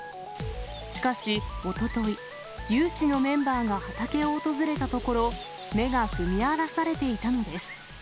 しかし、おととい、有志のメンバーが畑を訪れたところ、芽が踏み荒らされていたのです。